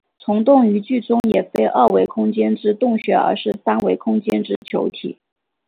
虫洞于剧中也非二维空间之洞穴而是三维空间之球体。